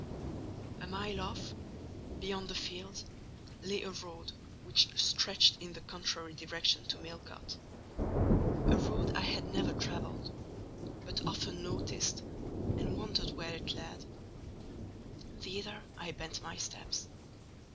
A mile off, beyond the fields, lay a road which stretched in the contrary direction to Millcote; a road I had never travelled, but often noticed, and wondered where it led: thither I bent my steps.